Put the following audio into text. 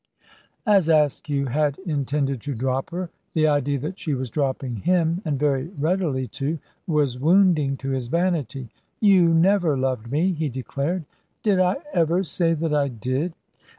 As Askew had intended to drop her, the idea that she was dropping him and very readily, too was wounding to his vanity. "You never loved me," he declared. "Did I ever say that I did?"